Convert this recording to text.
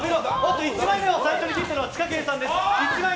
１枚目を最初に切ったのはツカケンさんです。